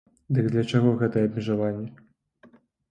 Дык для чаго гэтыя абмежаванні?